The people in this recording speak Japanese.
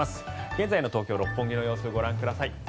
現在の東京・六本木の様子ご覧ください。